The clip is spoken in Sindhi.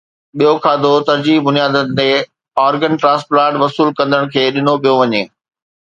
ٻيو کاڌو ترجيحي بنيادن تي آرگن ٽرانسپلانٽ وصول ڪندڙن کي ڏنو پيو وڃي